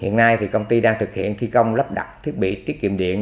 hiện nay thì công ty đang thực hiện thi công lắp đặt thiết bị tiết kiệm điện